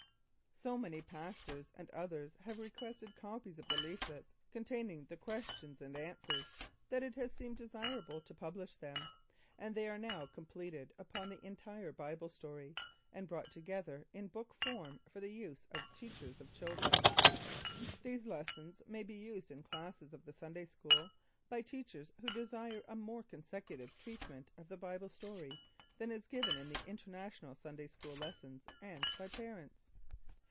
So many pastors and others have requested copies of the leaflets containing the questions and answers, that it has seemed desirable to publish them; and they are now completed upon the entire Bible story, and brought together in book form for the use of teachers of children. These lessons may be used in classes of the Sunday School, by teachers who desire a more consecutive treatment of the Bible story than is given in the International Sunday School lessons, and by parents.